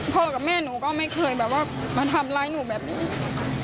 กับแม่หนูก็ไม่เคยแบบว่ามาทำร้ายหนูแบบนี้